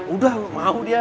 udah mau dia